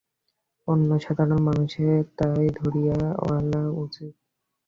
অন্য সাধারণ মানুষের তাই ধরিয়ালওয়া উচিত।